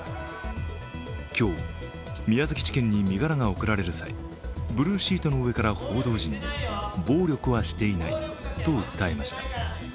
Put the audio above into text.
今日、宮崎地検に身柄が送られる際ブルーシートの上から報道陣に、暴力はしていないと訴えました。